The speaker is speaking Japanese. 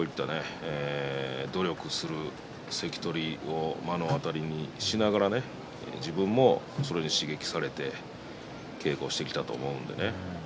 そういう努力をする関取衆を目の当たりにしながら自分も刺激されて稽古してきたと思うんでね。